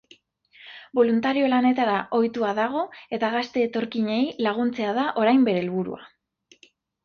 Boluntario lanetara ohitua dago, eta gazte etorkinei laguntzea da orain bere helburua.